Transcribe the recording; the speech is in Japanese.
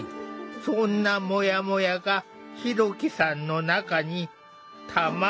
そんなモヤモヤがひろきさんの中にたまっていった。